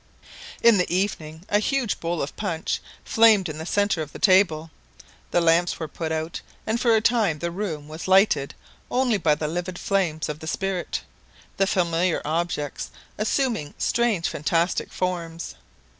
In the evening a huge bowl of punch flamed in the centre of the table; the lamps were put out, and for a time the room was lighted only by the livid flames of the spirit, the familiar objects assuming strange fantastic forms.